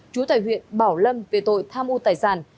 chú tài huyện bảo lâm về tội tham ô tài sản